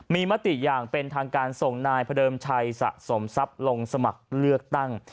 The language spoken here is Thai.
มีมติอย่างเป็นทางการส่งนายพระเดิมชัยสะสมทรัพย์ลงสมัครเลือกตั้ง